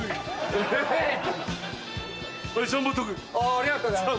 ありがとうございます